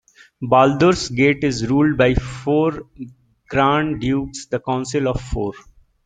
Baldur's Gate is ruled by four grand dukes, the Council of Four.